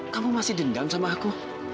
kamu masih dendam sama aku